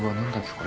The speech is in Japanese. これ。